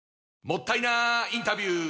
もったいなインタビュー！